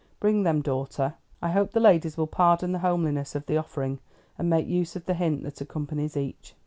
Bring them, daughter; I hope the ladies will pardon the homeliness of the offering, and make use of the hint that accompanies each."